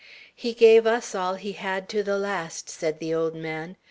"He gave us all he had, to the last," said the old man.